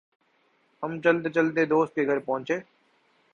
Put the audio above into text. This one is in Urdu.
ہم چلتے چلتے دوست کے گھر پہنچے ۔